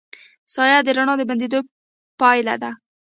سایه د رڼا د بندېدو پایله ده.